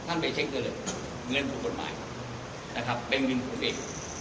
ท่านไปเช็คด้วยเลยเงินผู้กฎหมายนะครับเบงบินคุณเอง